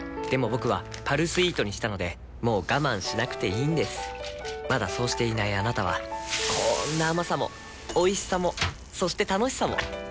僕は「パルスイート」にしたのでもう我慢しなくていいんですまだそうしていないあなたはこんな甘さもおいしさもそして楽しさもあちっ。